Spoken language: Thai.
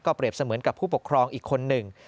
เปรียบเสมือนกับผู้ปกครองอีกคนหนึ่ง